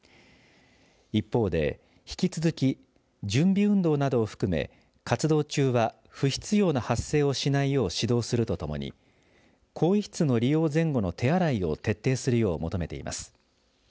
一方で、引き続き準備運動などを含め活動中は不必要な発声をしないよう指導するとともに更衣室の利用前後の手洗いを徹底するよう求めています。